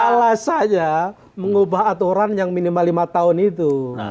alasannya mengubah aturan yang minimal lima tahun itu